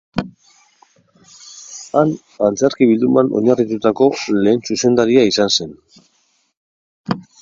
Han, antzerki bilduman oinarrituriko lehen zuzendaria izan zen.